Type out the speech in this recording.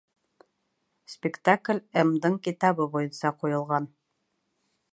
Спектакль М.-дың китабы буйынса ҡуйылған